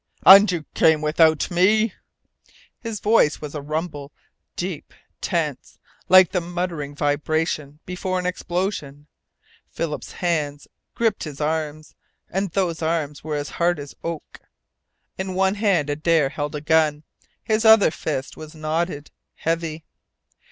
"And you came WITHOUT ME " His voice was a rumble, deep, tense, like the muttering vibration before an explosion. Philip's hands gripped his arms, and those arms were as hard as oak. In one hand Adare held a gun. His other fist was knotted, heavy.